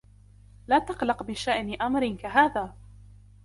لا تقلق بشأن أمر كهذا.